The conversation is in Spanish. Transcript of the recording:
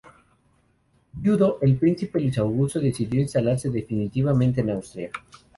Viudo, el príncipe Luis Augusto decidió instalarse definitivamente en Austria.